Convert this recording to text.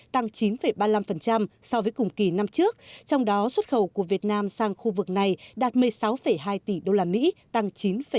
tăng chín ba mươi năm so với cùng kỳ năm trước trong đó xuất khẩu của việt nam sang khu vực này đạt một mươi sáu hai tỷ usd tăng chín hai